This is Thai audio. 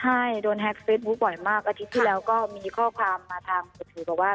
ใช่โดนแฮ็กเฟซบุ๊คบ่อยมากอาทิตย์ที่แล้วก็มีข้อความมาทางมือถือบอกว่า